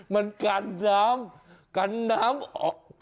มันกันน้ำกันน้ำออก